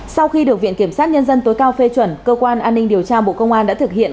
sau khi được viện kiểm sát nhân dân tối cao phê chuẩn cơ quan an ninh điều tra bộ công an đã thực hiện